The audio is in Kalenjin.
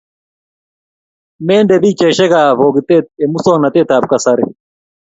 mende pichaishek ab pokitet eng' muswognatet ab kasari